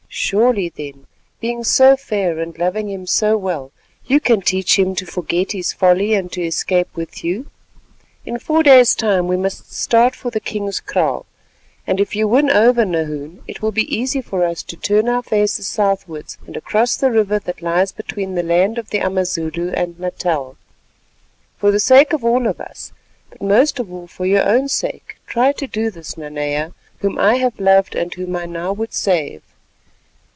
"Surely then being so fair and loving him so well, you can teach him to forget his folly and to escape with you. In four days' time we must start for the king's kraal, and if you win over Nahoon, it will be easy for us to turn our faces southwards and across the river that lies between the land of the Amazulu and Natal. For the sake of all of us, but most of all for your own sake, try to do this, Nanea, whom I have loved and whom I now would save.